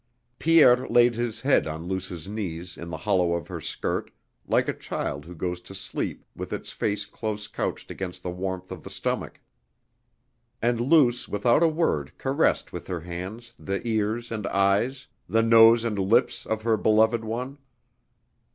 Pierre laid his head on Luce's knees in the hollow of her skirt like a child who goes to sleep with its face close couched against the warmth of the stomach. And Luce without a word caressed with her hands the ears and eyes, the nose and lips of her beloved one.